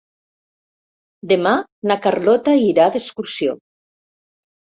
Demà na Carlota irà d'excursió.